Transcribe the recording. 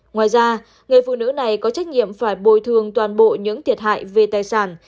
ngoài ra người phụ nữ này có trách nhiệm phải bồi thường toàn bộ những thiệt hại về tài sản